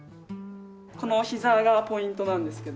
このひざがポイントなんですけど。